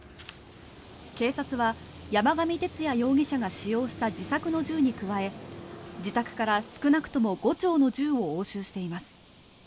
警察は山上徹也容疑者が使用した自作の銃に加え自宅から少なくとも５丁の銃を押収しています。